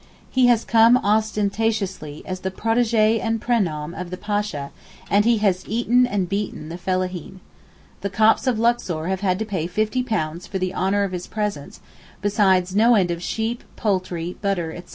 He has come ostentatiously as the protegé and pronem of the Pasha, and he has 'eaten' and beaten the fellaheen. The Copts of Luxor have had to pay fifty pounds for the honour of his presence, besides no end of sheep, poultry, butter, etc.